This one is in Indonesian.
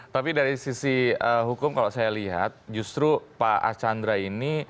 tapi dari sisi hukum kalau saya lihat justru pak archandra ini